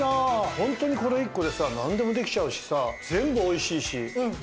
ホントにこれ１個でさなんでもできちゃうしさ全部おいしいし時間は短いし。